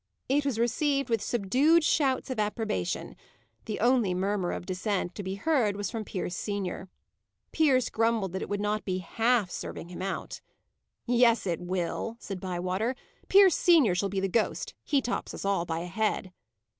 It was received with subdued shouts of approbation: the only murmur of dissent to be heard was from Pierce senior. Pierce grumbled that it would not be "half serving him out." "Yes, it will," said Bywater. "Pierce senior shall be the ghost: he tops us all by a head."